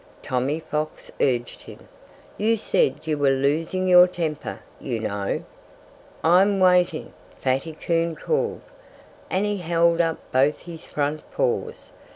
Tommy Fox urged him. "You said you were losing your temper, you know." "I'm waiting!" Fatty Coon called. And he held up both his front paws.